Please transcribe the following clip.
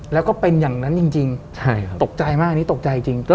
แล้วก็เป็นอย่างนั้นจริงตกใจมาก